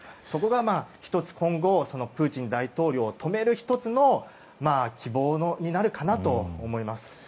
そこが１つ、今後プーチン大統領を止める１つの希望になるかなと思います。